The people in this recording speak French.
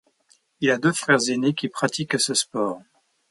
Il a deux frères aînés qui pratiquent ce sport.